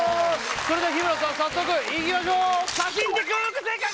それでは日村さん早速いきましょう！